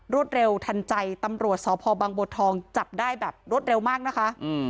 เร็วทันใจตำรวจสพบังบัวทองจับได้แบบรวดเร็วมากนะคะ